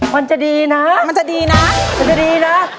มันจะดีนะมันจะดีนะ